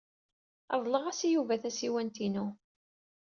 Reḍleɣ-as i Yuba tasiwant-inu.